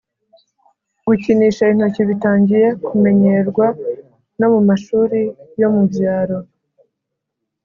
gukinisha intoki bitangiye kumenyerwa no mu mashuri yo mu byaro